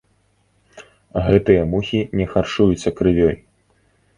Гэтыя мухі не харчуюцца крывёй.